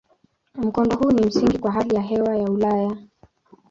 Mkondo huu ni msingi kwa hali ya hewa ya Ulaya.